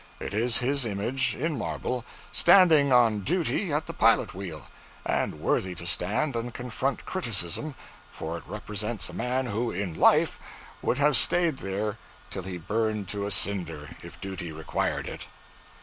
It is his image, in marble, standing on duty at the pilot wheel; and worthy to stand and confront criticism, for it represents a man who in life would have stayed there till he burned to a cinder, if duty required it.